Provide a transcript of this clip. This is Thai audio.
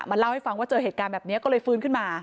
เล่าให้ฟังว่าเจอเหตุการณ์แบบนี้ก็เลยฟื้นขึ้นมา